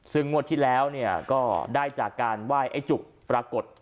ซึ่งงวดที่แล้วก็ได้จากการไหว้ไอ้จุกปรากฏ